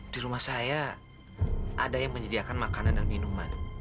di rumah saya ada yang menyediakan makanan dan minuman